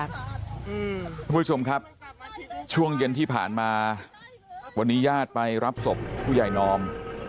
คุณผู้ชมครับช่วงเย็นที่ผ่านมาวันนี้ญาติไปรับศพผู้ใหญ่นอม